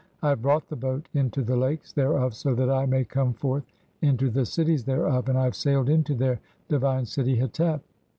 I have "brought the boat (7) into the lakes thereof so that I may come "forth into the cities thereof, and I have sailed into their divine "city Hetep.